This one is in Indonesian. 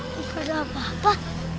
gak ada apa apa